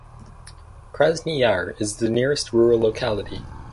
Krasny Yar is the nearest rural locality.